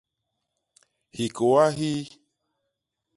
Hikôa hii.